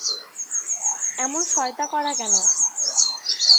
এমন শয়তা করা কেন?